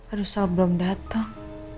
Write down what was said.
aduh sel belum datang